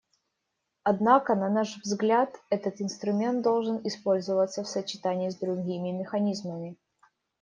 Однако, на наш взгляд, этот инструмент должен использоваться в сочетании с другими механизмами.